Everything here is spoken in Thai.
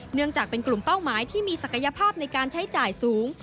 เนื่องจากเป็นกลุ่มเป้าหมายที่มีศักยภาพในการใช้จ่ายสูง